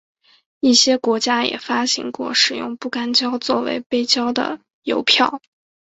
一些国家也发行过使用不干胶作为背胶的邮票。